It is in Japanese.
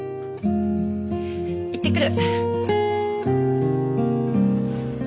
いってくる。